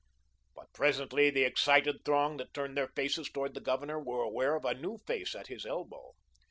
But presently the excited throng that turned their faces towards the Governor were aware of a new face at his elbow.